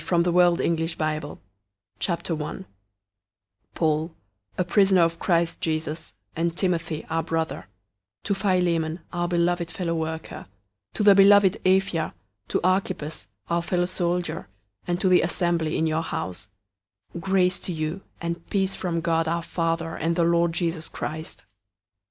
Book 57 Philemon 001:001 Paul, a prisoner of Christ Jesus, and Timothy our brother, to Philemon, our beloved fellow worker, 001:002 to the beloved Apphia, to Archippus, our fellow soldier, and to the assembly in your house: 001:003 Grace to you and peace from God our Father and the Lord Jesus Christ.